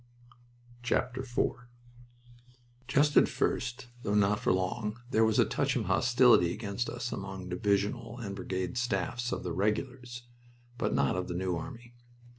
IV Just at first though not for long there was a touch of hostility against us among divisional and brigade staffs, of the Regulars, but not of the New Army.